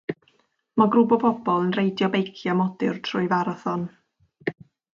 Mae grŵp o bobl yn reidio beiciau modur trwy farathon.